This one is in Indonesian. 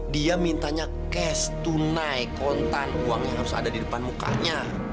dia mintanya cash tunai kontan uang yang harus ada di depan mukanya